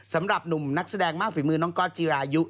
สำหรับหนุ่มนักแสดงมากฝีมือน้องก๊อตจีรายุ